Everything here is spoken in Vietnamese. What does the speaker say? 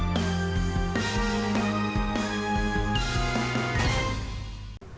cà phê việt nam